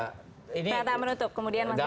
kita menutup kemudian mas jamal